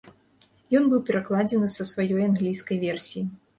Ён быў перакладзены са сваёй англійскай версіі.